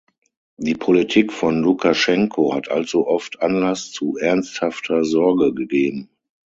Die Politik von Lukaschenko hat allzu oft Anlass zu ernsthafter Sorge gegeben.